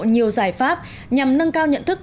nhiều giải pháp nhằm nâng cao nhận thức